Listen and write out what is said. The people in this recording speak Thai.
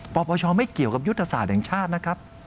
ปปชไม่เกี่ยวกับยุทธศาสตร์แห่งชาตินะครับ